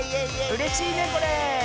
うれしいねこれ。